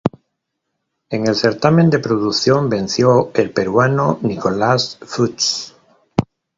En el certamen de producción venció el peruano Nicolás Fuchs.